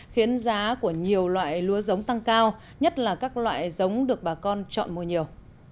khiến giá của nhiều loại lúa giống tăng cao nhất là các loại giống được bà con chọn mua nhiều